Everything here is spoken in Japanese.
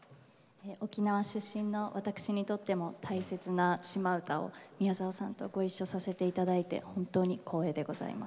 沖縄出身のわたくしにとっても大切な「島唄」を宮沢さんとご一緒させて頂いて本当に光栄でございます。